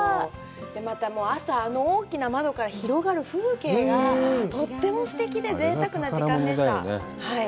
また、朝、あの大きな窓から広がる風景がとってもすてきで、ぜいたくな時間でした。